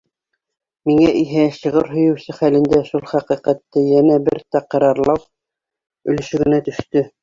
Миңә иһә, шиғыр һөйөүсе хәлендә, шул хәҡиҡәтте йәнә бер тәҡрарлау өлөшө генә төштө.